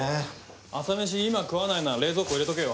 朝めし今食わないなら冷蔵庫入れとけよ。